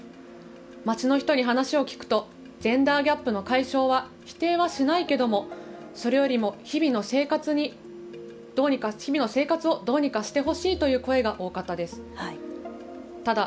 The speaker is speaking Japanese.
町の人に話を聞くとジェンダーギャップの解消は否定はしないけどもそれよりも日々の生活に日々の生活をどうにかしてほしいという声が多かったです。